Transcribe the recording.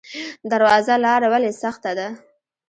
درواز لاره ولې سخته ده؟